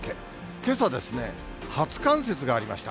けさですね、初冠雪がありました。